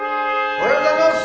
おはようございます。